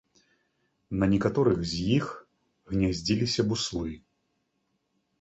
На некаторых з іх гняздзіліся буслы.